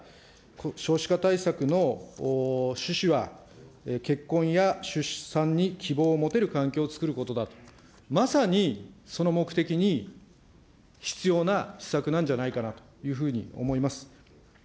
少子化対策の趣旨は、結婚や出産に希望を持てる環境をつくることだと、まさに、その目的に必要な施策なんじゃないかなというふうに思います。